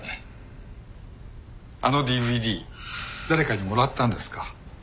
あのＤＶＤ誰かにもらったんですか？